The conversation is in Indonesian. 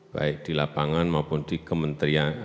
baik di lapangan maupun di kementerian